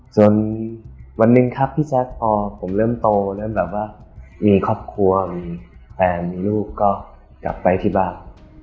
จนวันหนึ่งครับพี่แจ๊คพอผมเริ่มโตเริ่มแบบว่ามีครอบครัวมีแฟนมีลูกก็กลับไปที่บ้าน